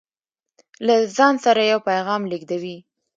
له ځان سره يو پيغام لېږدوي